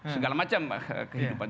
segala macam kehidupan